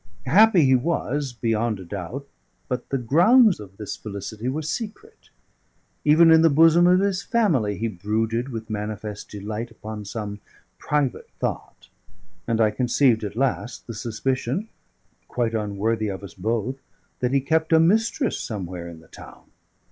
Happy he was, beyond a doubt, but the grounds of this felicity were secret; even in the bosom of his family he brooded with manifest delight upon some private thought; and I conceived at last the suspicion (quite unworthy of us both) that he kept a mistress somewhere in the town.